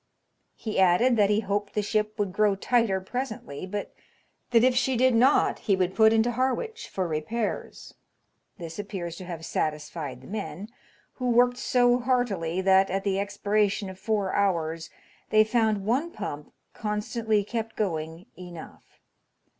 He added that he hoped the ship would grow tighter presently, but that if she did not he would put into Harwich for repairs. This appears to have satisfied the men, who worked so heartily that, at the expiration of four hours, they found one pump, constantly kept going, enough.